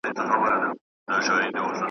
څه پروا ده که خپل سر لکه قلم خورم